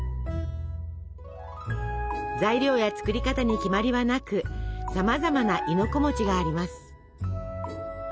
材料や作り方に決まりはなくさまざまな亥の子があります。